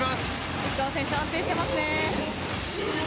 石川選手、安定していますね。